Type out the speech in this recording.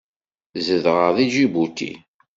Zedɣeɣ deg Ǧibuti.